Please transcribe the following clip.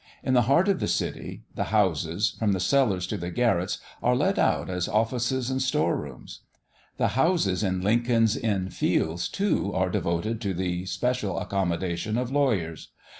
In the heart of the city, the houses, from the cellars to the garrets, are let out as offices and store rooms. The houses in Lincoln's Inn Fields, too, are devoted to the special accommodation of lawyers.